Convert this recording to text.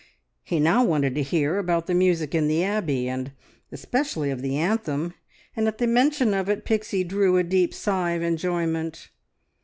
He now wanted to hear about the music in the Abbey, and especially of the anthem, and at the mention of it Pixie drew a deep sigh of enjoyment.